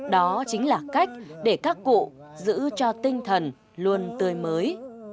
đó chính là cách để các cụ giữ cho tinh thần luôn tươi mới